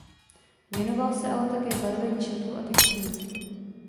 Věnoval se ale také barvení šatů a textilu.